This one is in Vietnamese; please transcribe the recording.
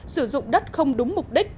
sử dụng đất không đúng mục đích